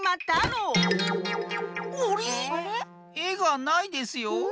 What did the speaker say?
えがないですよ。